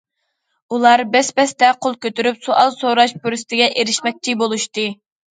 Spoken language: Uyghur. ئۇلار بەس- بەستە قول كۆتۈرۈپ سوئال سوراش پۇرسىتىگە ئېرىشمەكچى بولۇشتى.